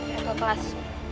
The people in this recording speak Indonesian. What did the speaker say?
ya ke kelas